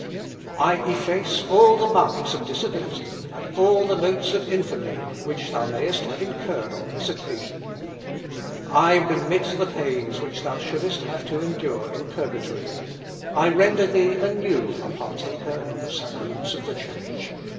I efface all the marks of disability, and all the notes of infamy which thou mayest have incurred on this occasion. I remit the pains which thou shouldest have to endure in purgatory. I render thee anew a partaker in the sacraments of the church.